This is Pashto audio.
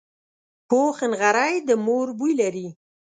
پوخ نغری د مور بوی لري